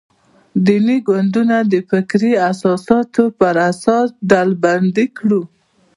دیني ګوندونه د فکري اساساتو پر اساس ډلبندي کړو.